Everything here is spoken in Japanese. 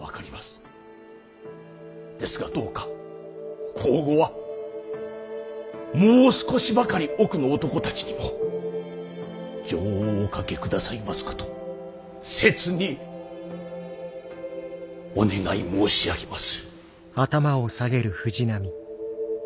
ですがどうか向後はもう少しばかり奥の男たちにも情をおかけ下さいますこと切にお願い申し上げます。